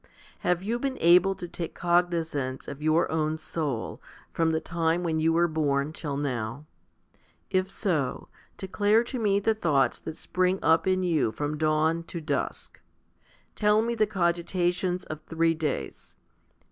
Have you been able to take cognisance of your own soul from the time when you were born till now ? If so, declare to me the thoughts that spring up in you from dawn to dusk. Tell me the cogitations of three days.